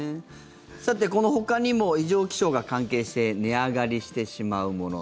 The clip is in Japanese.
さて、このほかにも異常気象が関係して値上がりしてしまうもの